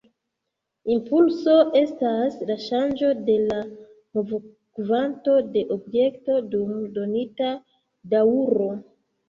Impulso estas la ŝanĝo de la movokvanto de objekto dum donita daŭro.